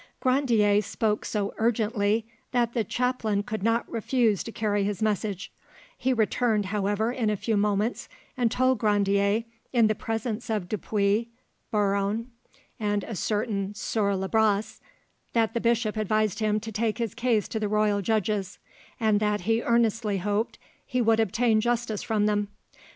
Grandier spoke so urgently that the chaplain could not refuse to carry his message; he returned, however, in a few moments, and told Grandier, in the presence of Dupuis, Buron, and a certain sieur Labrasse, that the bishop advised him to take his case to the royal judges, and that he earnestly hoped he would obtain justice from them.